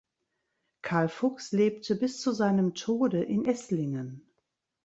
Karl Fuchs lebte bis zu seinem Tode in Esslingen.